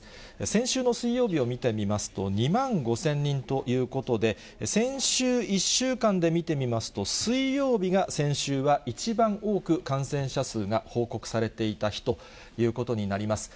先週の水曜日を見てみますと、２万５０００人ということで、先週１週間で見てみますと、水曜日が先週は一番多く感染者数が報告されていた日ということになります。